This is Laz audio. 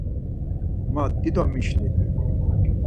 Ma dido mişli.